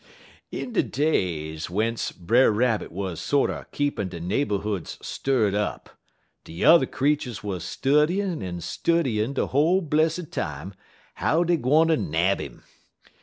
"In de days w'ence Brer Rabbit wuz sorter keepin' de neighborhoods stirred up, de yuther creeturs wuz studyin' en studyin' de whole blessid time how dey gwine ter nab 'im.